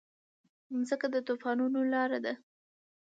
مځکه د طوفانونو لاره ده.